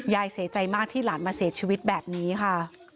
ยายเสียใจมากที่หลานมาเสียชีวิตแบบนี้ค่ะ